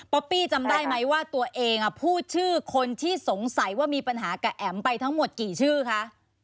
ปี้จำได้ไหมว่าตัวเองพูดชื่อคนที่สงสัยว่ามีปัญหากับแอ๋มไปทั้งหมดกี่ชื่อคะ